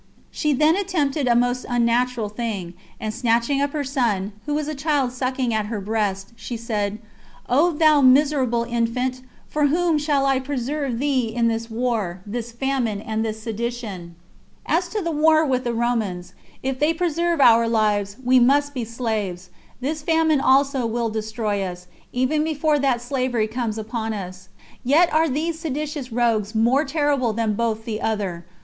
She then attempted a most unnatural thing; and snatching up her son, who was a child sucking at her breast, she said, "O thou miserable infant! for whom shall I preserve thee in this war, this famine, and this sedition? As to the war with the Romans, if they preserve our lives, we must be slaves. This famine also will destroy us, even before that slavery comes upon us. Yet are these seditious rogues more terrible than both the other.